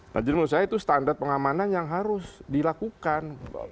nah jadi menurut saya itu standar pengamanan yang harus dilakukan